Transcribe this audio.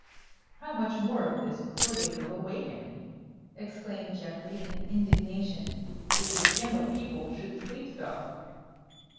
"How much more of this before they will awaken?" exclaimed Geoffrey, in indignation. "'Tis a scandal people should sleep so."